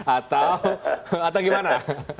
atau atau gimana